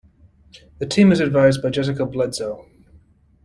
The team is advised by Jessica Bledsoe.